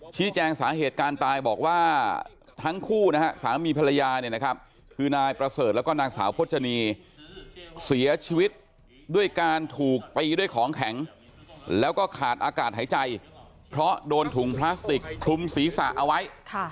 ชี้แจงสาเหตุการตายบอกว่าทั้งคู่นะฮะสามีภรรยาเนี่ยนะครับคือนายประเสริฐแล้วก็นางสาวพจนีเสียชีวิตด้วยการถูกตีด้วยของแข็งแล้วก็ขาดอากาศหายใจเพราะโดนถุงพลาสติกคลุมศีรษะเอาไว้